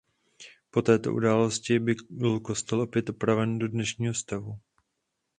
Po této události byl kostel opět opraven do dnešního stavu.